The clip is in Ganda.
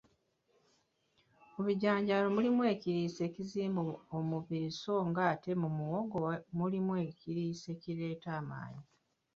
Mu bijanjaalo mulimu ekiriisa ekizimba omubirii sso nga ate mu muwogo mulimu ekiriisa ekireeta amaanyi.